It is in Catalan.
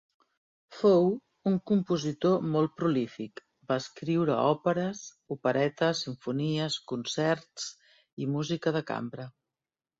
Fou un compositor molt prolífic, va escriure, òperes, operetes, simfonies, concerts i música de cambra.